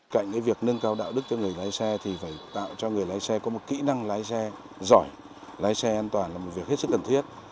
cạnh việc nâng cao đạo đức cho người lái xe thì phải tạo cho người lái xe có một kỹ năng lái xe giỏi lái xe an toàn là một việc hết sức cần thiết